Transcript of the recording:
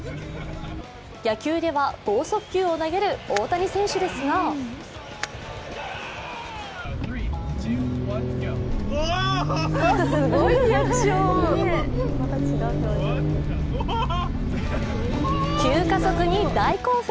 野球では剛速球を投げる大谷選手ですが急加速に大興奮！